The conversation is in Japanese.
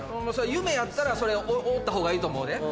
夢やったらそれ追った方がいいと思うで。